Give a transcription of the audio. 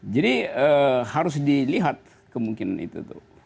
jadi harus dilihat kemungkinan itu